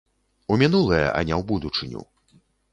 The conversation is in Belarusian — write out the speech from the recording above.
У мінулае, а не ў будучыню.